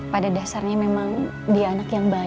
pada dasarnya memang dia anak yang baik